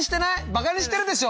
バカにしてるでしょ！